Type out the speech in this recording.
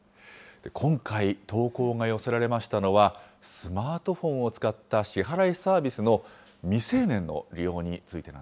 今回、投稿が寄せられましたのは、スマートフォンを使った支払いサービスの未成年の利用についてな